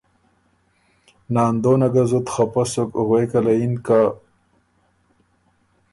ناندونه ګۀ زُت خپۀ سُک غوېکه له یِن که